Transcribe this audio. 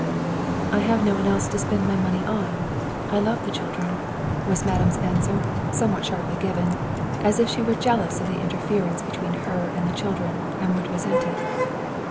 "I have no one else to spend my money on; I love the children," was madame's answer, somewhat sharply given, as if she were jealous of the interference between her and the children, and would resent it.